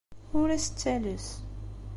Ur as-ttales.